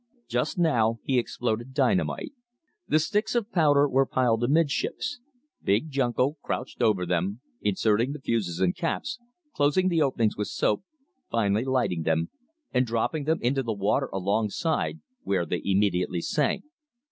Just now he exploded dynamite. The sticks of powder were piled amidships. Big Junko crouched over them, inserting the fuses and caps, closing the openings with soap, finally lighting them, and dropping them into the water alongside, where they immediately sank.